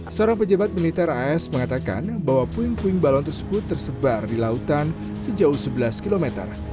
seorang pejabat militer as mengatakan bahwa puing puing balon tersebut tersebar di lautan sejauh sebelas km